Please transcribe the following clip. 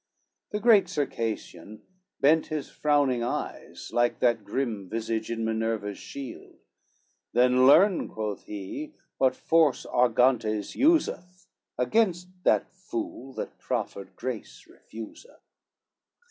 The great Circassian bent his frowning eyes, Like that grim visage in Minerva's shield, "Then learn," quoth he, "what force Argantes useth Against that fool that proffered grace refuseth."